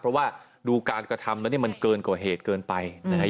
เพราะว่าดูการกระทำแล้วเนี่ยมันเกินกว่าเหตุเกินไปนะครับ